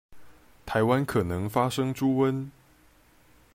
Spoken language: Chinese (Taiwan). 臺灣可能發生豬瘟